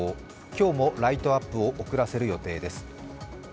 今日もライトアップを遅らせる予定です。